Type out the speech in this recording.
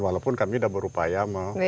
walaupun kami udah berupaya